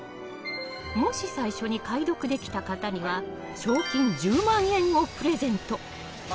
もし最初に解読できた方には賞金１０万円をプレゼント。